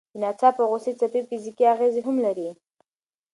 د ناڅاپه غوسې څپې فزیکي اغېزې هم لري.